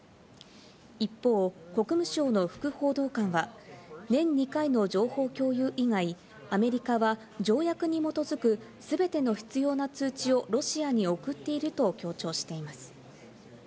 一方、国務省の副報道官は、年２回の情報共有以外、アメリカは条約に基づくすべての必要な通知をロシアに送っていると強調しています。